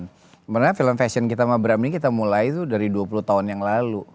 dimana film fashion kita sama bram ini kita mulai dari dua puluh tahun yang lalu